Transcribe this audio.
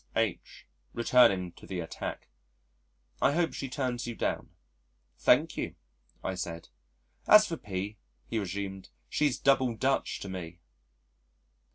H. (returning to the attack), "I hope she turns you down." "Thank you," I said. "As for P ," he resumed, "she's double Dutch to me."